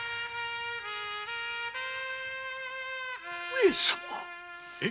上様？